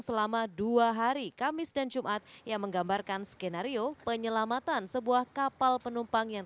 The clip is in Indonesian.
selama dua hari kamis dan jumat yang menggambarkan skenario penyelamatan sebuah kapal penumpang yang